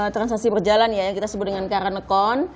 transaksi berjalan ya yang kita sebut dengan current account